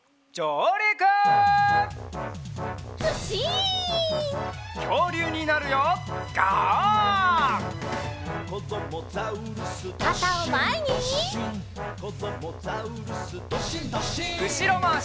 うしろまわし。